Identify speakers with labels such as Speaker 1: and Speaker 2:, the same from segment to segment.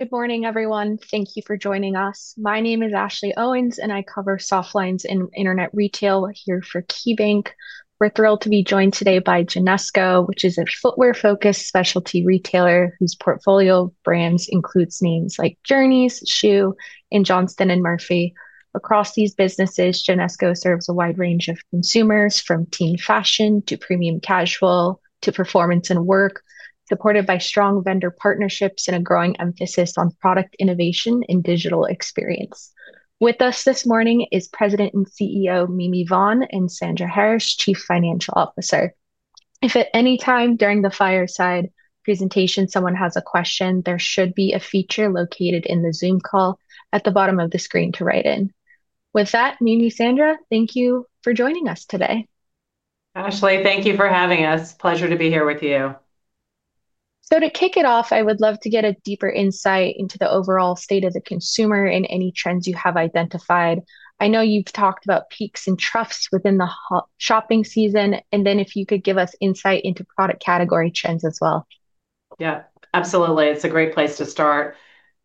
Speaker 1: Good morning, everyone. Thank you for joining us. My name is Ashley Owens, and I cover Softlines in internet retail here for KeyBanc. We're thrilled to be joined today by Genesco, which is a footwear-focused specialty retailer whose portfolio of brands includes names like Journeys, Schuh, and Johnston & Murphy. Across these businesses, Genesco serves a wide range of consumers, from teen fashion to premium casual to performance and work, supported by strong vendor partnerships and a growing emphasis on product innovation and digital experience. With us this morning is President and CEO Mimi Vaughn and Sandra Harris, Chief Financial Officer. If at any time during the fireside presentation someone has a question, there should be a feature located in the Zoom call at the bottom of the screen to write in. With that, Mimi, Sandra, thank you for joining us today.
Speaker 2: Ashley, thank you for having us. Pleasure to be here with you.
Speaker 1: So to kick it off, I would love to get a deeper insight into the overall state of the consumer and any trends you have identified. I know you've talked about peaks and troughs within the shopping season, and then if you could give us insight into product category trends as well.
Speaker 2: Yeah, absolutely. It's a great place to start.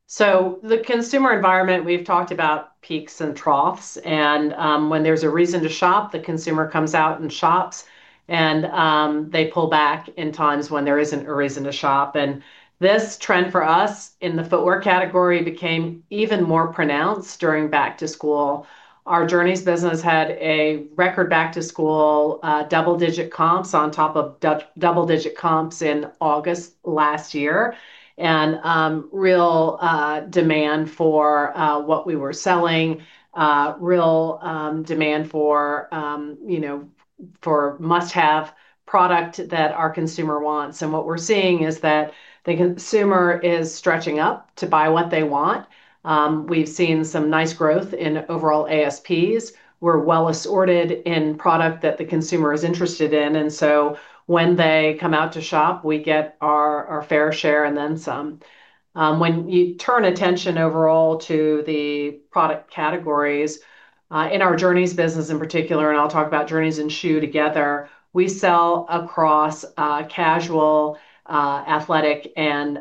Speaker 2: So the consumer environment, we've talked about peaks and troughs, and when there's a reason to shop, the consumer comes out and shops, and they pull back in times when there isn't a reason to shop. And this trend for us in the footwear category became even more pronounced during back-to-school. Our Journeys business had a record back-to-school double-digit comps on top of double-digit comps in August last year, and real demand for what we were selling, real demand for must-have product that our consumer wants. And what we're seeing is that the consumer is stretching up to buy what they want. We've seen some nice growth in overall ASPs. We're well assorted in product that the consumer is interested in, and so when they come out to shop, we get our fair share and then some. When you turn attention overall to the product categories, in our Journeys business in particular, and I'll talk about Journeys and Schuh together, we sell across casual, athletic, and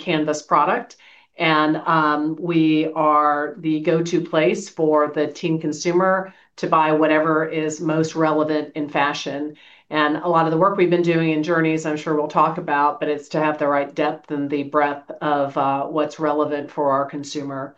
Speaker 2: canvas product, and we are the go-to place for the teen consumer to buy whatever is most relevant in fashion, and a lot of the work we've been doing in Journeys, I'm sure we'll talk about, but it's to have the right depth and the breadth of what's relevant for our consumer,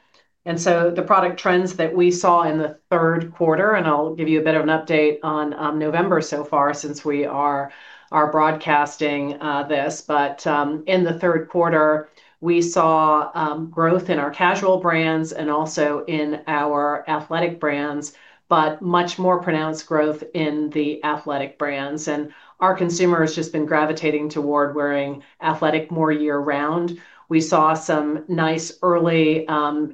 Speaker 2: and so the product trends that we saw in the third quarter, and I'll give you a bit of an update on November so far since we are broadcasting this, but in the third quarter, we saw growth in our casual brands and also in our athletic brands, but much more pronounced growth in the athletic brands, and our consumer has just been gravitating toward wearing athletic more year-round. We saw some nice early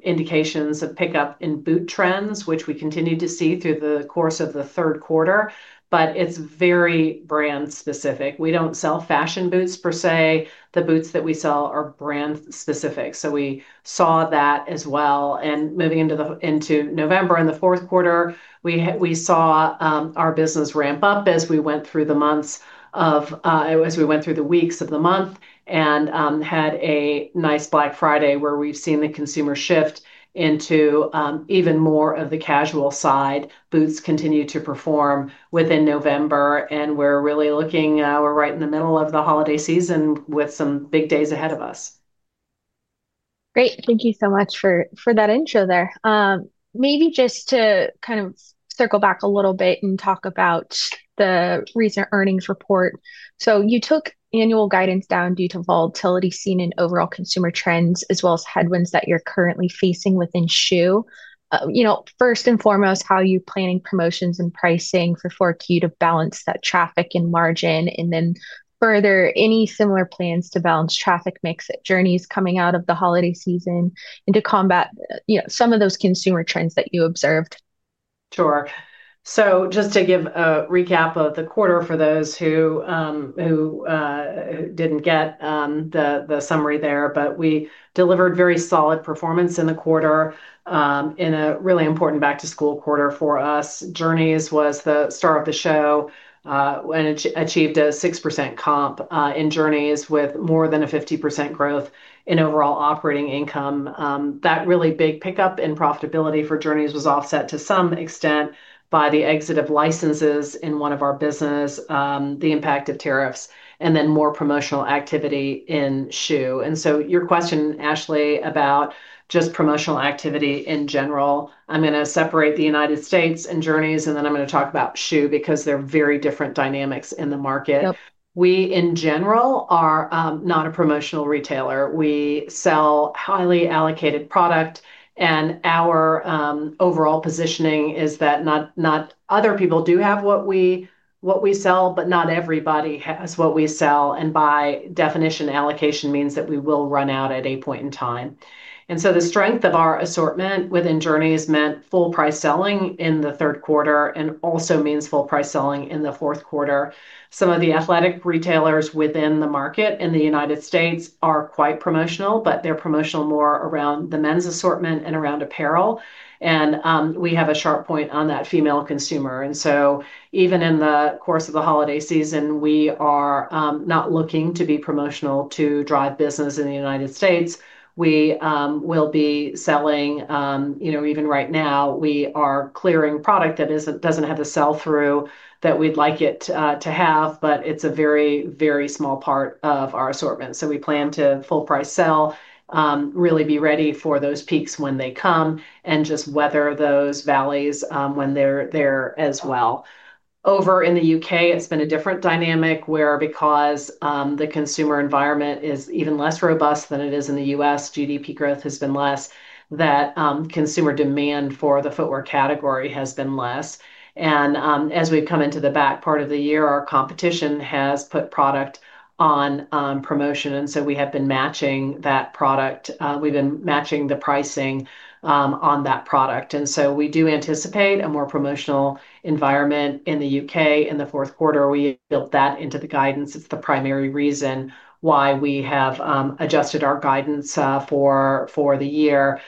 Speaker 2: indications of pickup in boot trends, which we continued to see through the course of the third quarter, but it's very brand-specific. We don't sell fashion boots per se. The boots that we sell are brand-specific, so we saw that as well. And moving into November and the fourth quarter, we saw our business ramp up as we went through the weeks of the month, and had a nice Black Friday where we've seen the consumer shift into even more of the casual side. Boots continue to perform within November, and we're right in the middle of the holiday season with some big days ahead of us.
Speaker 1: Great. Thank you so much for that intro there. Maybe just to kind of circle back a little bit and talk about the recent earnings report. So you took annual guidance down due to volatility seen in overall consumer trends as well as headwinds that you're currently facing within Schuh. First and foremost, how are you planning promotions and pricing for 4Q to balance that traffic and margin? And then further, any similar plans to balance traffic mix at Journeys coming out of the holiday season and to combat some of those consumer trends that you observed?
Speaker 2: Sure. So just to give a recap of the quarter for those who didn't get the summary there, but we delivered very solid performance in the quarter, in a really important Back-to-school quarter for us. Journeys was the star of the show and achieved a 6% comp in Journeys with more than a 50% growth in overall operating income. That really big pickup in profitability for Journeys was offset to some extent by the exit of licenses in one of our businesses, the impact of tariffs, and then more promotional activity in Schuh. And so your question, Ashley, about just promotional activity in general, I'm going to separate the United States and Journeys, and then I'm going to talk about Schuh because they're very different dynamics in the market. We, in general, are not a promotional retailer. We sell highly allocated product, and our overall positioning is that not other people do have what we sell, but not everybody has what we sell, and by definition, allocation means that we will run out at a point in time, and so the strength of our assortment within Journeys meant full-price selling in the third quarter and also means full-price selling in the fourth quarter. Some of the athletic retailers within the market in the United States are quite promotional, but they're promotional more around the men's assortment and around apparel, and we have a sharp point on that female consumer, and so even in the course of the holiday season, we are not looking to be promotional to drive business in the United States. We will be selling, even right now, we are clearing product that doesn't have a sell-through that we'd like it to have, but it's a very, very small part of our assortment. So we plan to full-price sell, really be ready for those peaks when they come, and just weather those valleys when they're there as well. Over in the U.K., it's been a different dynamic where, because the consumer environment is even less robust than it is in the U.S., GDP growth has been less, that consumer demand for the footwear category has been less, and as we've come into the back part of the year, our competition has put product on promotion, and so we have been matching that product. We've been matching the pricing on that product, and so we do anticipate a more promotional environment in the U.K. in the fourth quarter. We built that into the guidance. It's the primary reason why we have adjusted our guidance for the year.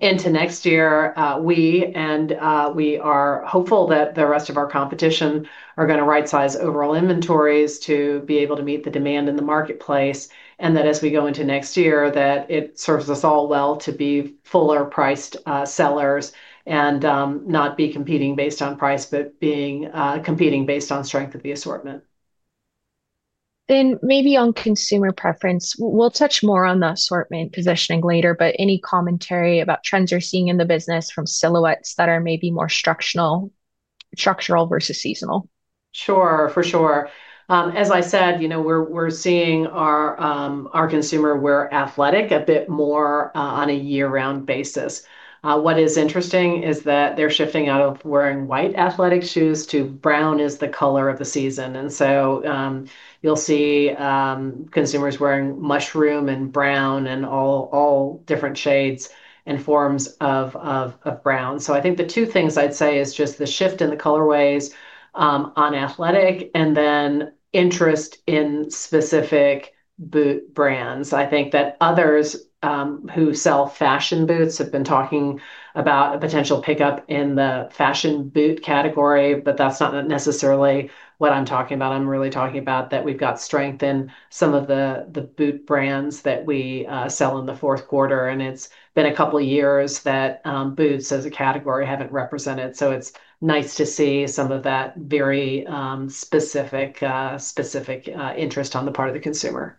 Speaker 2: Into next year, we are hopeful that the rest of our competition are going to right-size overall inventories to be able to meet the demand in the marketplace, and that as we go into next year, that it serves us all well to be fuller-priced sellers and not be competing based on price, but being competing based on strength of the assortment.
Speaker 1: Then maybe on consumer preference, we'll touch more on the assortment positioning later, but any commentary about trends you're seeing in the business from silhouettes that are maybe more structural versus seasonal?
Speaker 2: Sure, for sure. As I said, we're seeing our consumers wear athletic a bit more on a year-round basis. What is interesting is that they're shifting out of wearing white athletic shoes to brown as the color of the season. And so you'll see consumers wearing mushroom and brown and all different shades and forms of brown. So I think the two things I'd say is just the shift in the colorways on athletic and then interest in specific boot brands. I think that others who sell fashion boots have been talking about a potential pickup in the fashion boot category, but that's not necessarily what I'm talking about. I'm really talking about that we've got strength in some of the boot brands that we sell in the fourth quarter, and it's been a couple of years that boots as a category haven't represented. So it's nice to see some of that very specific interest on the part of the consumer.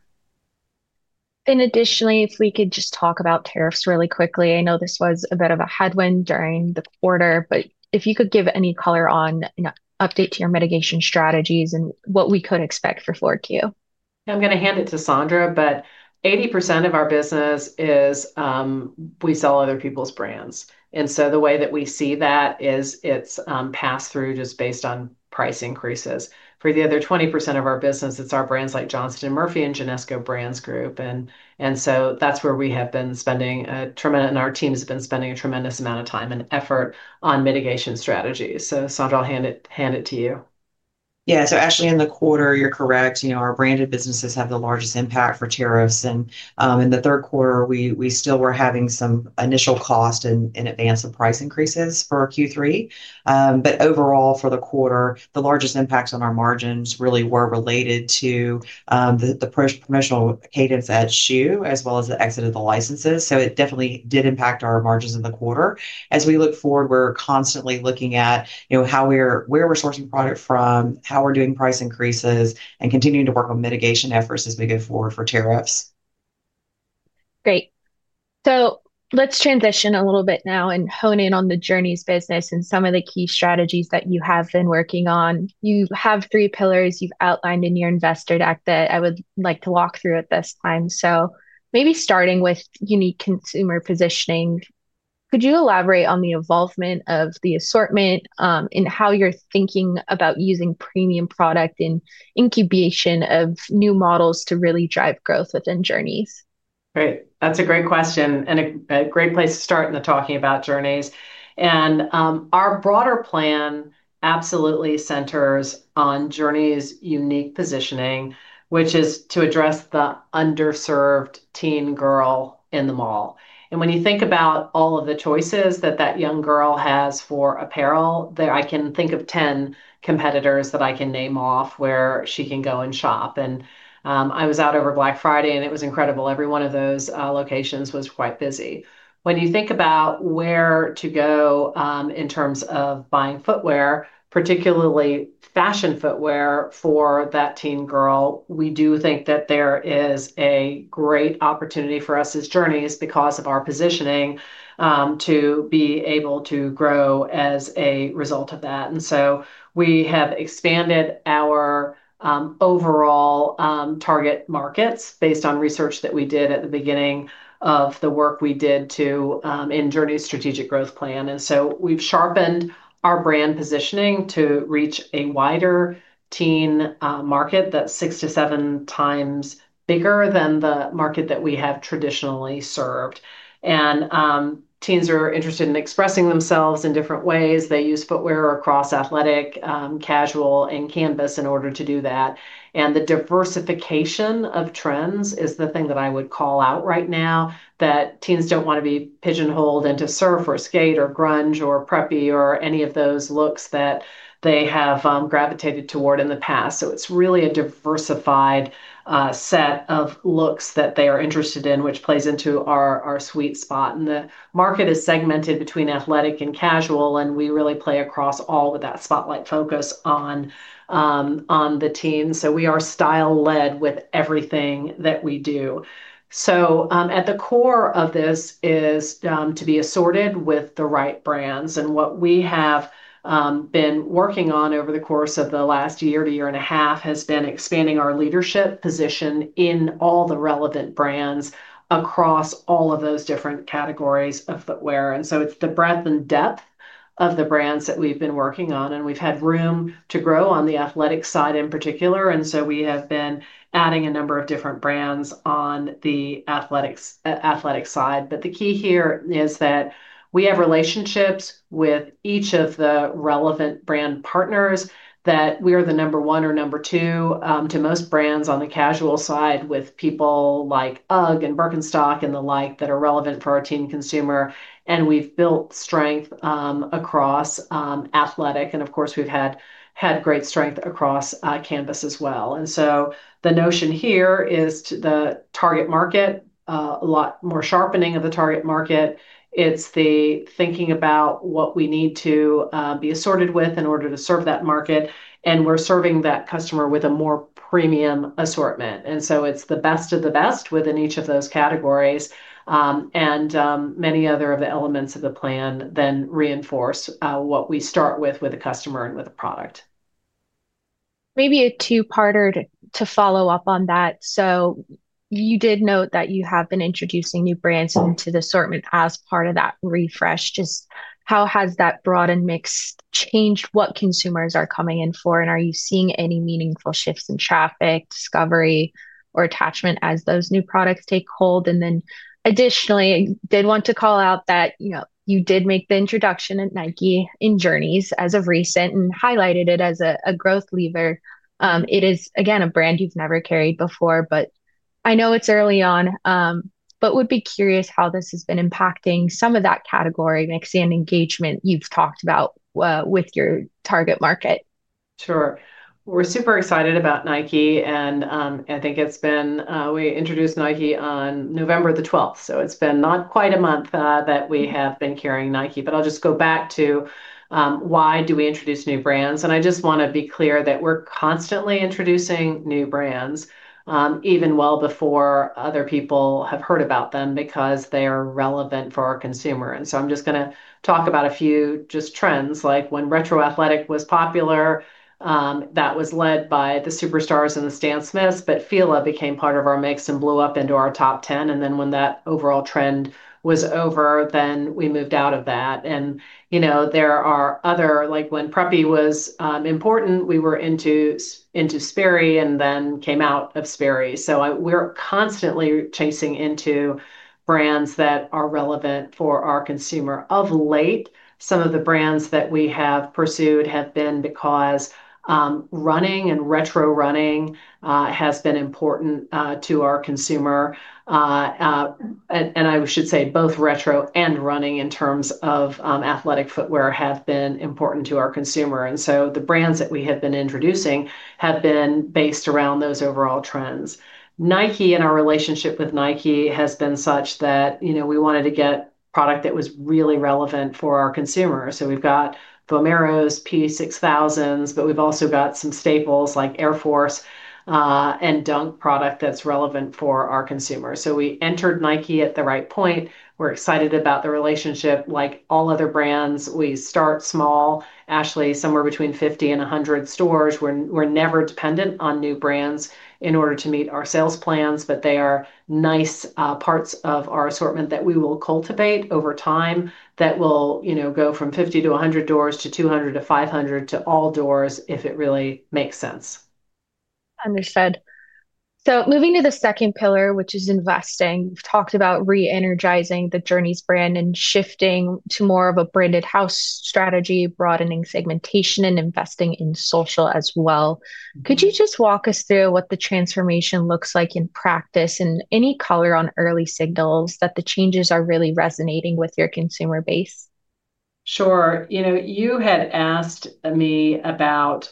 Speaker 1: Additionally, if we could just talk about tariffs really quickly, I know this was a bit of a headwind during the quarter, but if you could give any color on an update to your mitigation strategies and what we could expect for 4Q?
Speaker 2: I'm going to hand it to Sandra, but 80% of our business is we sell other people's brands. And so the way that we see that is it's passed through just based on price increases. For the other 20% of our business, it's our brands like Johnston & Murphy and Genesco Brands Group. And so that's where we have been spending, and our teams have been spending a tremendous amount of time and effort on mitigation strategies. So Sandra, I'll hand it to you.
Speaker 3: Yeah. So Ashley, in the quarter, you're correct. Our branded businesses have the largest impact for tariffs. And in the third quarter, we still were having some initial cost and advance of price increases for Q3. But overall, for the quarter, the largest impacts on our margins really were related to the promotional cadence at Schuh as well as the exit of the licenses. So it definitely did impact our margins in the quarter. As we look forward, we're constantly looking at where we're sourcing product from, how we're doing price increases, and continuing to work on mitigation efforts as we go forward for tariffs.
Speaker 1: Great. So let's transition a little bit now and hone in on the Journeys business and some of the key strategies that you have been working on. You have three pillars you've outlined in your investor deck that I would like to walk through at this time. So maybe starting with unique consumer positioning, could you elaborate on the evolvement of the assortment and how you're thinking about using premium product and incubation of new models to really drive growth within Journeys?
Speaker 2: Great. That's a great question and a great place to start in the talking about Journeys, and our broader plan absolutely centers on Journeys' unique positioning, which is to address the underserved teen girl in the mall, and when you think about all of the choices that that young girl has for apparel, I can think of 10 competitors that I can name off where she can go and shop, and I was out over Black Friday, and it was incredible. Every one of those locations was quite busy. When you think about where to go in terms of buying footwear, particularly fashion footwear for that teen girl, we do think that there is a great opportunity for us as Journeys because of our positioning to be able to grow as a result of that. And so we have expanded our overall target markets based on research that we did at the beginning of the work we did in Journeys' strategic growth plan. And so we've sharpened our brand positioning to reach a wider teen market that's six to seven times bigger than the market that we have traditionally served. And teens are interested in expressing themselves in different ways. They use footwear across athletic, casual, and canvas in order to do that. And the diversification of trends is the thing that I would call out right now that teens don't want to be pigeonholed into surf or skate or grunge or preppy or any of those looks that they have gravitated toward in the past. So it's really a diversified set of looks that they are interested in, which plays into our sweet spot. And the market is segmented between athletic and casual, and we really play across all with that spotlight focus on the teens. So we are style-led with everything that we do. So at the core of this is to be assorted with the right brands. And what we have been working on over the course of the last year to a year and a half has been expanding our leadership position in all the relevant brands across all of those different categories of footwear. And so it's the breadth and depth of the brands that we've been working on, and we've had room to grow on the athletic side in particular. And so we have been adding a number of different brands on the athletic side. But the key here is that we have relationships with each of the relevant brand partners that we are the number one or number two to most brands on the casual side with people like UGG and Birkenstock and the like that are relevant for our teen consumer. And we've built strength across athletic. And of course, we've had great strength across canvas as well. And so the notion here is the target market, a lot more sharpening of the target market. It's the thinking about what we need to be assorted with in order to serve that market. And we're serving that customer with a more premium assortment. And so it's the best of the best within each of those categories, and many other of the elements of the plan then reinforce what we start with, with a customer and with a product.
Speaker 1: Maybe a two-parter to follow up on that. So you did note that you have been introducing new brands into the assortment as part of that refresh. Just how has that broadened mix changed what consumers are coming in for? And are you seeing any meaningful shifts in traffic, discovery, or attachment as those new products take hold? And then additionally, I did want to call out that you did make the introduction of Nike into Journeys as of recently and highlighted it as a growth lever. It is, again, a brand you've never carried before, but I know it's early on, but would be curious how this has been impacting some of that category mix and engagement you've talked about with your target market.
Speaker 2: Sure. We're super excited about Nike, and I think it's been since we introduced Nike on November the 12th. So it's been not quite a month that we have been carrying Nike, but I'll just go back to why do we introduce new brands. I just want to be clear that we're constantly introducing new brands even well before other people have heard about them because they are relevant for our consumer. So I'm just going to talk about a few just trends. Like when retro athletic was popular, that was led by the Superstars and the Stan Smiths, but FILA became part of our mix and blew up into our top 10. Then when that overall trend was over, we moved out of that. There are other, like when preppy was important, we were into Sperry and then came out of Sperry. So we're constantly chasing into brands that are relevant for our consumer. Of late, some of the brands that we have pursued have been because running and retro running has been important to our consumer. And I should say both retro and running in terms of athletic footwear have been important to our consumer. And so the brands that we have been introducing have been based around those overall trends. Nike and our relationship with Nike has been such that we wanted to get product that was really relevant for our consumers. So we've got Vomero, P-6000s, but we've also got some staples like Air Force and Dunk product that's relevant for our consumers. So we entered Nike at the right point. We're excited about the relationship. Like all other brands, we start small, Ashley, somewhere between 50 and 100 stores. We're never dependent on new brands in order to meet our sales plans, but they are nice parts of our assortment that we will cultivate over time that will go from 50 to 100 doors to 200 to 500 to all doors if it really makes sense.
Speaker 1: Understood. So moving to the second pillar, which is investing, we've talked about re-energizing the Journeys brand and shifting to more of a branded house strategy, broadening segmentation and investing in social as well. Could you just walk us through what the transformation looks like in practice and any color on early signals that the changes are really resonating with your consumer base?
Speaker 2: Sure. You had asked me about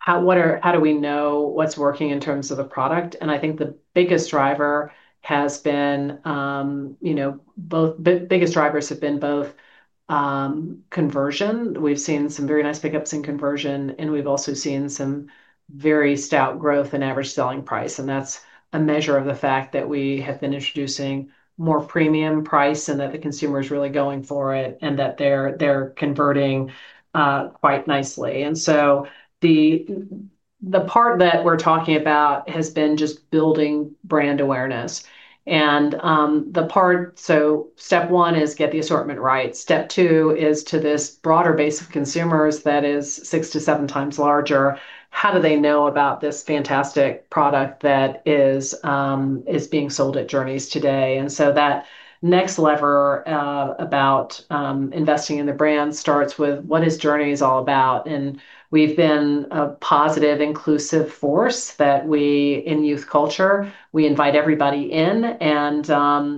Speaker 2: how do we know what's working in terms of a product? And I think the biggest drivers have been both conversion. We've seen some very nice pickups in conversion, and we've also seen some very stout growth in average selling price. And that's a measure of the fact that we have been introducing more premium price and that the consumer is really going for it and that they're converting quite nicely. And so the part that we're talking about has been just building brand awareness. And the part, so step one is get the assortment right. Step two is to this broader base of consumers that is six to seven times larger. How do they know about this fantastic product that is being sold at Journeys today? And so that next lever about investing in the brand starts with what is Journeys all about? And we've been a positive, inclusive force that we in youth culture, we invite everybody in, and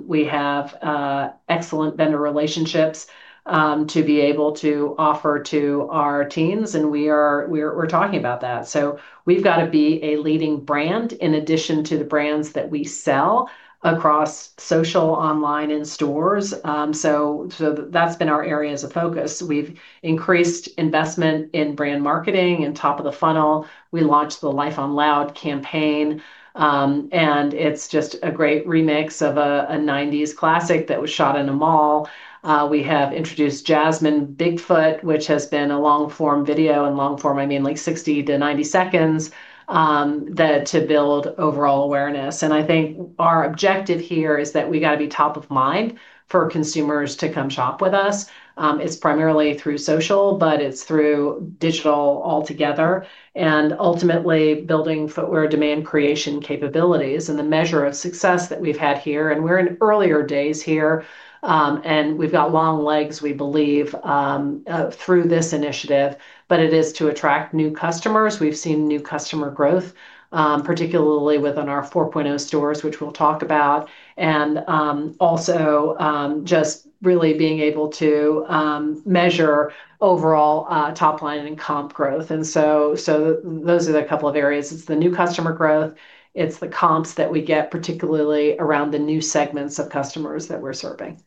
Speaker 2: we have excellent vendor relationships to be able to offer to our teens, and we're talking about that. So we've got to be a leading brand in addition to the brands that we sell across social, online, and stores. So that's been our areas of focus. We've increased investment in brand marketing and top of the funnel. We launched the Life On Loud campaign, and it's just a great remix of a 90s classic that was shot in a mall. We have introduced Jazmine Bigfoot, which has been a long-form video, and long-form, I mean like 60-90 seconds to build overall awareness. And I think our objective here is that we got to be top of mind for consumers to come shop with us. It's primarily through social, but it's through digital altogether, and ultimately building footwear demand creation capabilities and the measure of success that we've had here. And we're in earlier days here, and we've got long legs, we believe, through this initiative, but it is to attract new customers. We've seen new customer growth, particularly within our 4.0 stores, which we'll talk about, and also just really being able to measure overall top line and comp growth. And so those are the couple of areas. It's the new customer growth. It's the comps that we get, particularly around the new segments of customers that we're serving.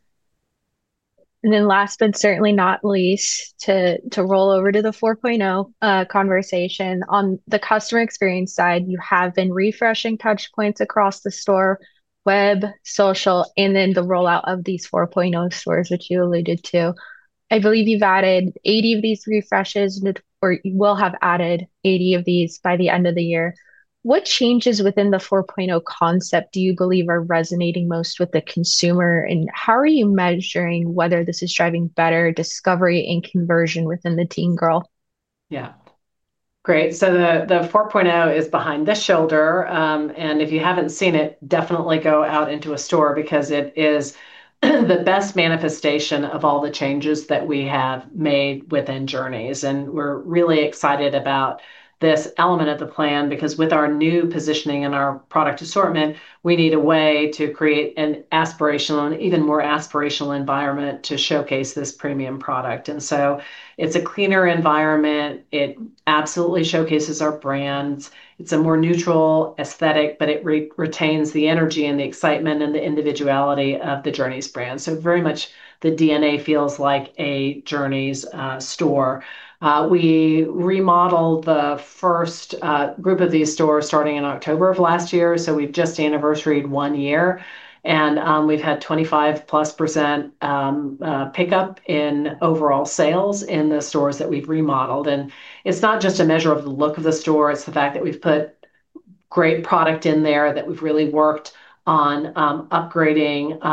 Speaker 1: And then, last but certainly not least, to roll over to the 4.0 conversation. On the customer experience side, you have been refreshing touch points across the store, web, social, and then the rollout of these 4.0 stores, which you alluded to. I believe you've added 80 of these refreshes, or you will have added 80 of these by the end of the year. What changes within the 4.0 concept do you believe are resonating most with the consumer, and how are you measuring whether this is driving better discovery and conversion within the teen girl?
Speaker 2: Yeah. Great. So the 4.0 is behind the shoulder. And if you haven't seen it, definitely go out into a store because it is the best manifestation of all the changes that we have made within Journeys. And we're really excited about this element of the plan because with our new positioning and our product assortment, we need a way to create an aspirational and even more aspirational environment to showcase this premium product. And so it's a cleaner environment. It absolutely showcases our brands. It's a more neutral aesthetic, but it retains the energy and the excitement and the individuality of the Journeys brand. So very much the DNA feels like a Journeys store. We remodeled the first group of these stores starting in October of last year. We've just anniversaried one year, and we've had 25% plus pickup in overall sales in the stores that we've remodeled. And it's not just a measure of the look of the store. It's the fact that we've put great product in there that we've really worked on upgrading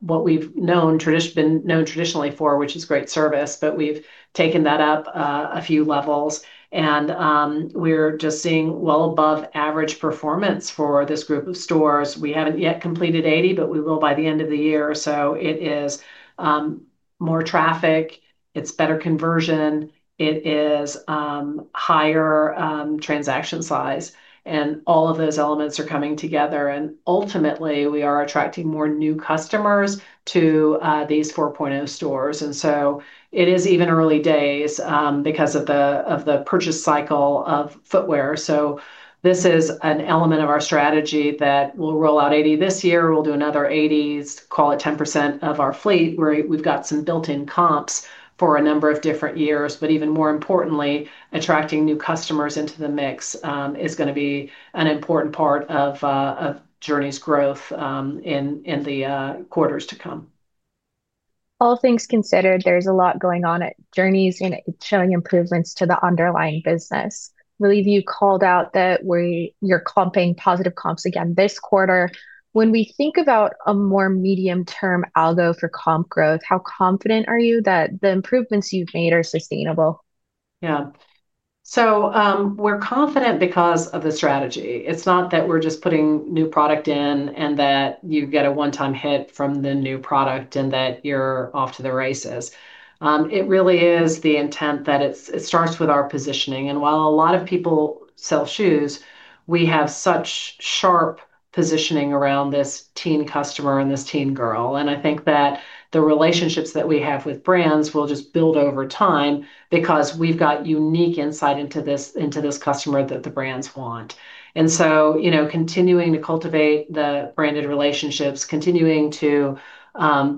Speaker 2: what we've been known traditionally for, which is great service, but we've taken that up a few levels. And we're just seeing well above average performance for this group of stores. We haven't yet completed 80, but we will by the end of the year. It is more traffic. It's better conversion. It is higher transaction size. And all of those elements are coming together. And ultimately, we are attracting more new customers to these 4.0 stores. It is even early days because of the purchase cycle of footwear. This is an element of our strategy that we'll roll out 80 this year. We'll do another 80, call it 10% of our fleet. We've got some built-in comps for a number of different years, but even more importantly, attracting new customers into the mix is going to be an important part of Journeys' growth in the quarters to come.
Speaker 1: All things considered, there's a lot going on at Journeys and showing improvements to the underlying business. I believe you called out that you're clumping positive comps again this quarter. When we think about a more medium-term algo for comp growth, how confident are you that the improvements you've made are sustainable?
Speaker 2: Yeah. So we're confident because of the strategy. It's not that we're just putting new product in and that you get a one-time hit from the new product and that you're off to the races. It really is the intent that it starts with our positioning. And while a lot of people sell shoes, we have such sharp positioning around this teen customer and this teen girl. And I think that the relationships that we have with brands will just build over time because we've got unique insight into this customer that the brands want. And so continuing to cultivate the branded relationships, continuing to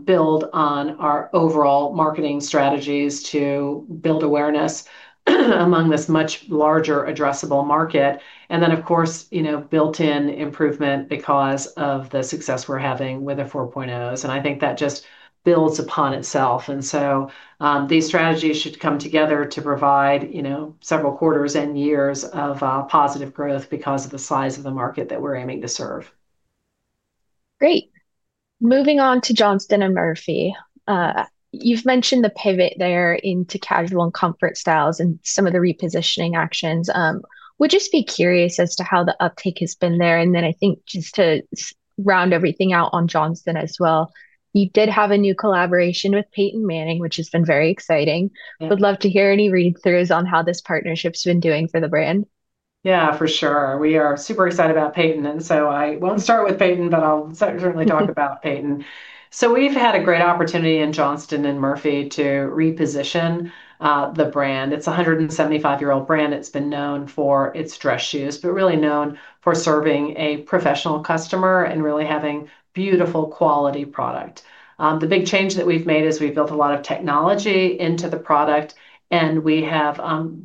Speaker 2: build on our overall marketing strategies to build awareness among this much larger addressable market, and then, of course, built-in improvement because of the success we're having with the 4.0s. And I think that just builds upon itself. These strategies should come together to provide several quarters and years of positive growth because of the size of the market that we're aiming to serve.
Speaker 1: Great. Moving on to Johnston & Murphy. You've mentioned the pivot there into casual and comfort styles and some of the repositioning actions. Would just be curious as to how the uptake has been there. And then I think just to round everything out on Johnston as well, you did have a new collaboration with Peyton Manning, which has been very exciting. Would love to hear any read-throughs on how this partnership's been doing for the brand.
Speaker 2: Yeah, for sure. We are super excited about Peyton. And so I won't start with Peyton, but I'll certainly talk about Peyton. So we've had a great opportunity in Johnston & Murphy to reposition the brand. It's a 175-year-old brand that's been known for its dress shoes, but really known for serving a professional customer and really having beautiful quality product. The big change that we've made is we've built a lot of technology into the product, and we have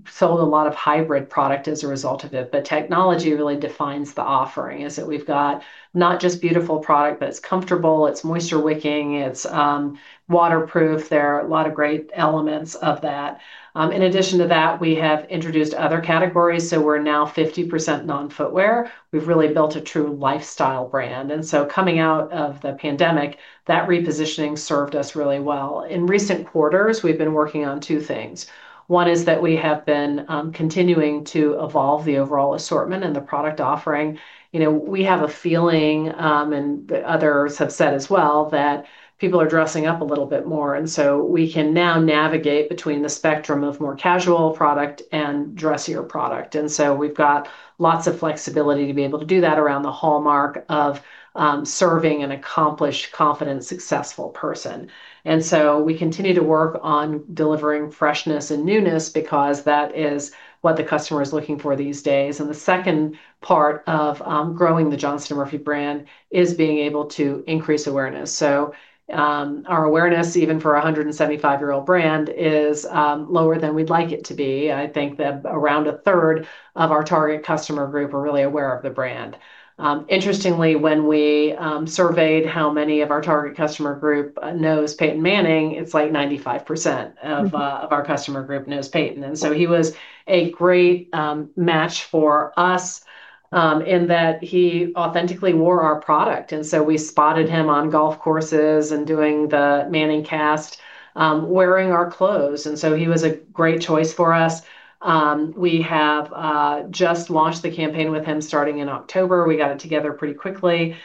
Speaker 2: sold a lot of hybrid product as a result of it. But technology really defines the offering, is that we've got not just beautiful product, but it's comfortable, it's moisture-wicking, it's waterproof. There are a lot of great elements of that. In addition to that, we have introduced other categories. So we're now 50% non-footwear. We've really built a true lifestyle brand. And so coming out of the pandemic, that repositioning served us really well. In recent quarters, we've been working on two things. One is that we have been continuing to evolve the overall assortment and the product offering. We have a feeling, and others have said as well, that people are dressing up a little bit more. And so we can now navigate between the spectrum of more casual product and dressier product. And so we've got lots of flexibility to be able to do that around the hallmark of serving an accomplished, confident, successful person. And so we continue to work on delivering freshness and newness because that is what the customer is looking for these days. And the second part of growing the Johnston & Murphy brand is being able to increase awareness. Our awareness, even for a 175-year-old brand, is lower than we'd like it to be. I think that around a third of our target customer group are really aware of the brand. Interestingly, when we surveyed how many of our target customer group knows Peyton Manning, it's like 95% of our customer group knows Peyton. And so he was a great match for us in that he authentically wore our product. And so we spotted him on golf courses and doing the ManningCast, wearing our clothes. And so he was a great choice for us. We have just launched the campaign with him starting in October. We got it together pretty quickly.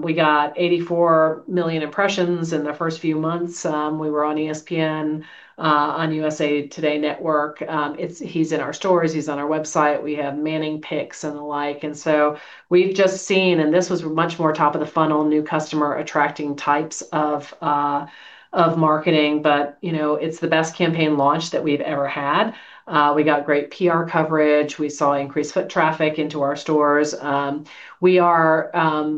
Speaker 2: We got 84 million impressions in the first few months. We were on ESPN, on USA Today Network. He's in our stores. He's on our website. We have Manning Picks and the like. And so we've just seen, and this was much more top of the funnel, new customer attracting types of marketing, but it's the best campaign launch that we've ever had. We got great PR coverage. We saw increased foot traffic into our stores. We are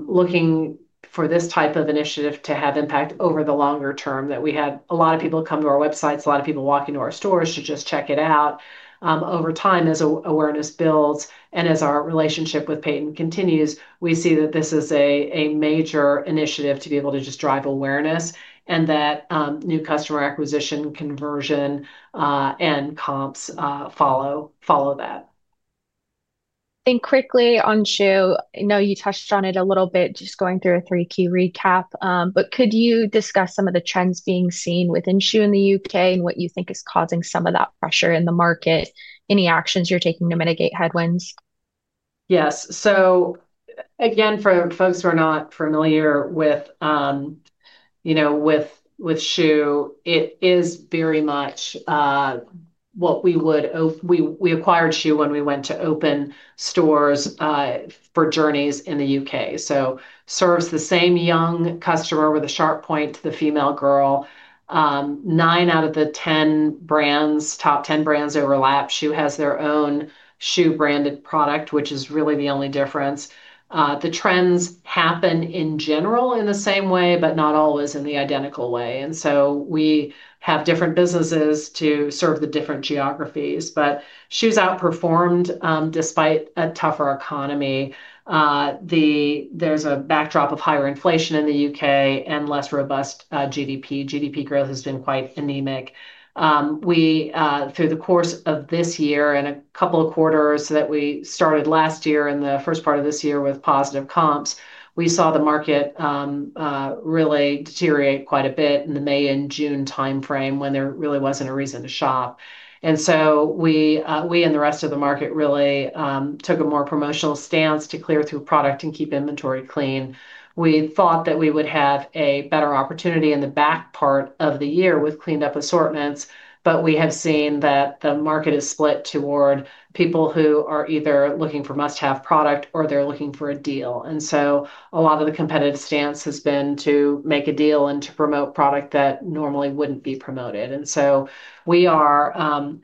Speaker 2: looking for this type of initiative to have impact over the longer term, that we had a lot of people come to our websites, a lot of people walk into our stores to just check it out. Over time, as awareness builds and as our relationship with Peyton continues, we see that this is a major initiative to be able to just drive awareness, and that new customer acquisition, conversion, and comps follow that.
Speaker 1: Quickly on Schuh, I know you touched on it a little bit just going through a 3Q recap, but could you discuss some of the trends being seen within Schuh in the U.K. and what you think is causing some of that pressure in the market? Any actions you're taking to mitigate headwinds?
Speaker 2: Yes. So again, for folks who are not familiar with Schuh, it is very much what we did. We acquired Schuh when we went to open stores for Journeys in the U.K. So it serves the same young customer with a sharp point, the female girl. Nine out of the 10 brands, top 10 brands overlap. Schuh has their own Schuh branded product, which is really the only difference. The trends happen in general in the same way, but not always in the identical way. So we have different businesses to serve the different geographies, but Schuh outperformed despite a tougher economy. There's a backdrop of higher inflation in the U.K. and less robust GDP. GDP growth has been quite anemic. Through the course of this year and a couple of quarters that we started last year and the first part of this year with positive comps, we saw the market really deteriorate quite a bit in the May and June timeframe when there really wasn't a reason to shop, and so we and the rest of the market really took a more promotional stance to clear through product and keep inventory clean. We thought that we would have a better opportunity in the back part of the year with cleaned-up assortments, but we have seen that the market is split toward people who are either looking for must-have product or they're looking for a deal, and so a lot of the competitive stance has been to make a deal and to promote product that normally wouldn't be promoted. And so we are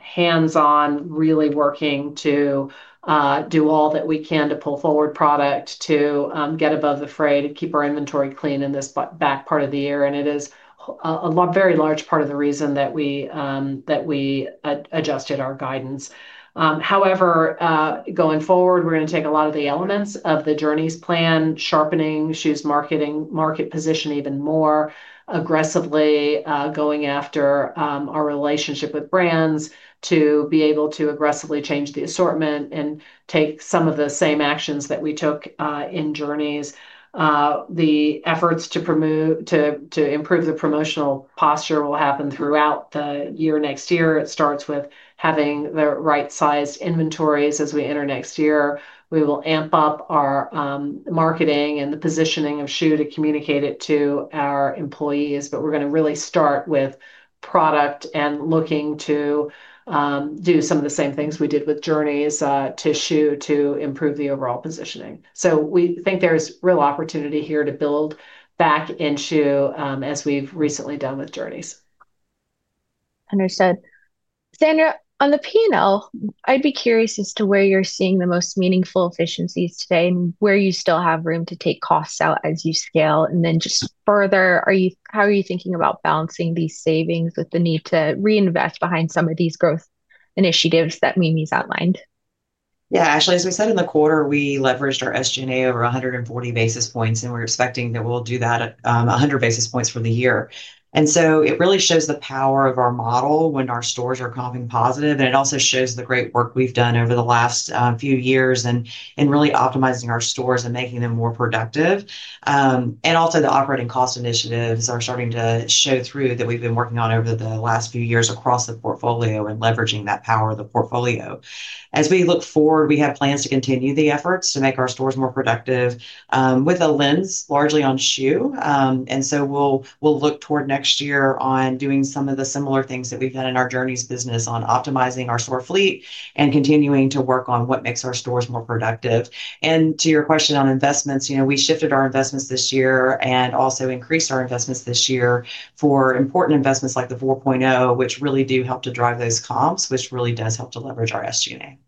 Speaker 2: hands-on, really working to do all that we can to pull forward product to get above the fray to keep our inventory clean in this back half of the year. And it is a very large part of the reason that we adjusted our guidance. However, going forward, we're going to take a lot of the elements of the Journeys plan, sharpening Schuh's marketing, market position even more aggressively, going after our relationship with brands to be able to aggressively change the assortment and take some of the same actions that we took in Journeys. The efforts to improve the promotional posture will happen throughout the year next year. It starts with having the right-sized inventories as we enter next year. We will amp up our marketing and the positioning of Schuh to communicate it to our employees, but we're going to really start with product and looking to do some of the same things we did with Journeys to Schuh to improve the overall positioning. So we think there's real opportunity here to build back into Schuh as we've recently done with Journeys.
Speaker 1: Understood. Sandra, on the P&L, I'd be curious as to where you're seeing the most meaningful efficiencies today and where you still have room to take costs out as you scale. And then just further, how are you thinking about balancing these savings with the need to reinvest behind some of these growth initiatives that Mimi's outlined?
Speaker 3: Yeah, actually, as we said in the quarter, we leveraged our SG&A over 140 basis points, and we're expecting that we'll do that 100 basis points for the year. And so it really shows the power of our model when our stores are comping positive. And it also shows the great work we've done over the last few years in really optimizing our stores and making them more productive. And also the operating cost initiatives are starting to show through that we've been working on over the last few years across the portfolio and leveraging that power of the portfolio. As we look forward, we have plans to continue the efforts to make our stores more productive with a lens largely on Schuh. So we'll look toward next year on doing some of the similar things that we've done in our Journeys business on optimizing our store fleet and continuing to work on what makes our stores more productive. To your question on investments, we shifted our investments this year and also increased our investments this year for important investments like the 4.0, which really do help to drive those comps, which really does help to leverage our SG&A.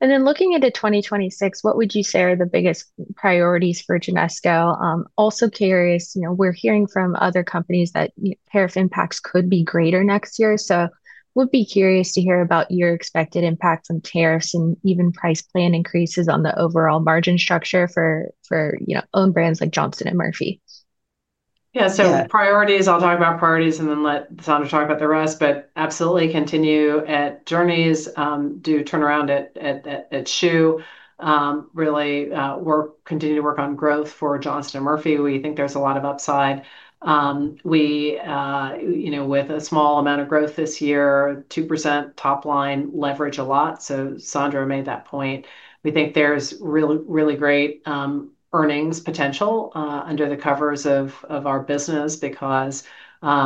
Speaker 1: Then looking into 2026, what would you say are the biggest priorities for Genesco? Also curious, we're hearing from other companies that tariff impacts could be greater next year. So we'd be curious to hear about your expected impact from tariffs and even price plan increases on the overall margin structure for own brands like Johnston & Murphy.
Speaker 2: Yeah. So priorities, I'll talk about priorities and then let Sandra talk about the rest, but absolutely continue at Journeys, do turn around at Schuh. Really continue to work on growth for Johnston & Murphy. We think there's a lot of upside. With a small amount of growth this year, 2% top line leverage a lot. So Sandra made that point. We think there's really great earnings potential under the covers of our business because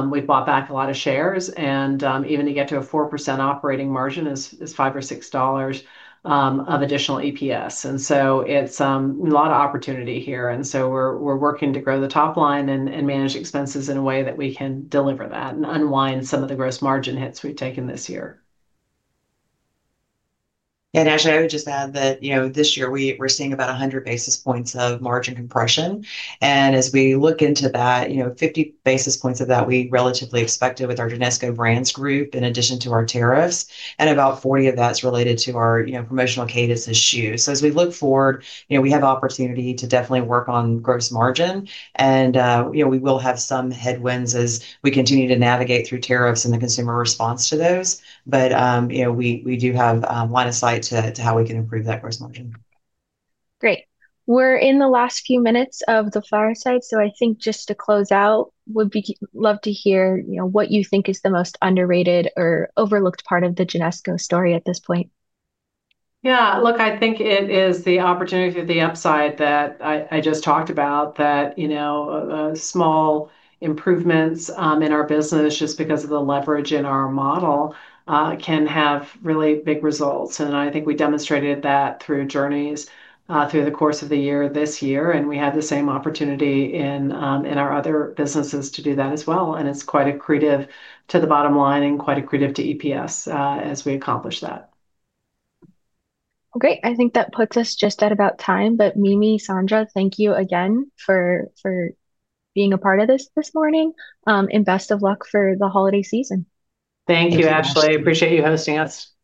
Speaker 2: we've bought back a lot of shares, and even to get to a 4% operating margin is $5 or $6 of additional EPS, and so it's a lot of opportunity here, and so we're working to grow the top line and manage expenses in a way that we can deliver that and unwind some of the gross margin hits we've taken this year.
Speaker 3: Actually, I would just add that this year, we're seeing about 100 basis points of margin compression. As we look into that, 50 basis points of that we relatively expected with our Genesco Brands Group in addition to our tariffs. About 40 of that is related to our promotional cadence issues. As we look forward, we have opportunity to definitely work on gross margin. We will have some headwinds as we continue to navigate through tariffs and the consumer response to those. We do have line of sight to how we can improve that gross margin.
Speaker 1: Great. We're in the last few minutes of the fireside. So, I think just to close out, would love to hear what you think is the most underrated or overlooked part of the Genesco story at this point?
Speaker 2: Yeah. Look, I think it is the opportunity for the upside that I just talked about, that small improvements in our business just because of the leverage in our model can have really big results. And I think we demonstrated that through Journeys through the course of the year this year. And we had the same opportunity in our other businesses to do that as well. And it's quite accretive to the bottom line and quite accretive to EPS as we accomplish that.
Speaker 1: Great. I think that puts us just at about time. Mimi, Sandra, thank you again for being a part of this morning. Best of luck for the holiday season.
Speaker 2: Thank you, Ashley. Appreciate you hosting us.
Speaker 1: Thanks.